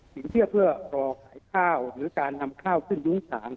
สินเชื่อเพื่อรอขายข้าวหรือการนำข้าวขึ้นยุ้งฉาง